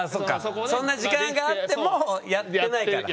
そんな時間があってもやってないから。